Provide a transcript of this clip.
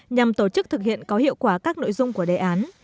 nhằm tổ chức thực hiện có hiệu quả các nội dung của đề án